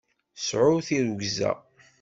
Sɛu tirrugza!